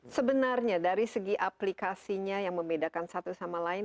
sebenarnya dari segi aplikasinya yang membedakan satu sama lain